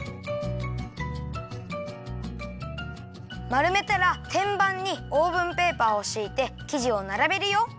まるめたらてんばんにオーブンペーパーをしいてきじをならべるよ。